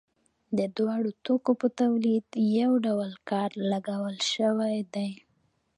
د دواړو توکو په تولید یو ډول کار لګول شوی دی